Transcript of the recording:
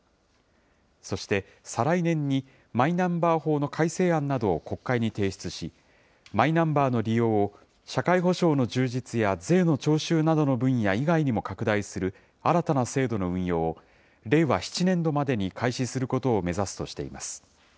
そして再来年に、マイナンバー法の改正案などを国会に提出し、マイナンバーの利用を、社会保障の充実や税の徴収などの分野以外にも拡大する、新たな制度の運用を令和７年度までに開始することを目指すとしています。